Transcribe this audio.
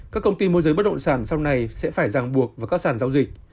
các công ty môi giới bất động sản sau này sẽ phải ràng buộc vào các sản giao dịch